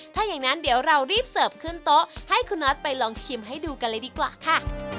ถ้าอย่างนั้นเดี๋ยวเรารีบเสิร์ฟขึ้นโต๊ะให้คุณน็อตไปลองชิมให้ดูกันเลยดีกว่าค่ะ